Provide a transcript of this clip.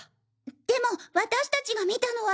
でも私達が見たのは。